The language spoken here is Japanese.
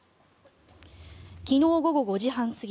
昨日午後５時半過ぎ